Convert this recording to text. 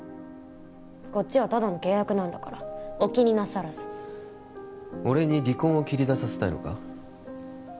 こっちはただの契約なんだからお気になさらず俺に離婚を切り出させたいのか？